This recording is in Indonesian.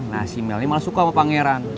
nah si mel ini malah suka sama pangeran